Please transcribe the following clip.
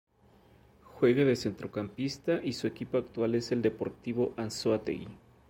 Juega de centrocampista y su equipo actual es el Deportivo Anzoátegui.